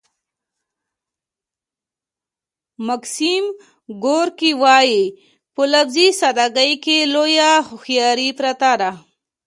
ماکسیم ګورکي وايي چې په لفظي ساده ګۍ کې لویه هوښیاري پرته ده